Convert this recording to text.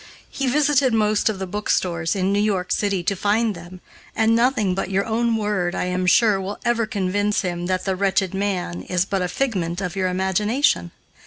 He visited most of the bookstores in New York city to find them, and nothing but your own word, I am sure, will ever convince him that the 'wretched man' is but a figment of your imagination.